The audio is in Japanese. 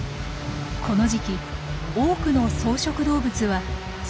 この時期多くの草食動物は新緑を求め